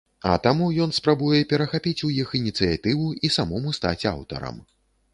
А таму ён спрабуе перахапіць у іх ініцыятыву і самому стаць аўтарам.